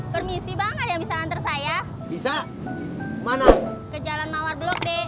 permisi banget bisa antar saya bisa kemana ke jalan mawar blok d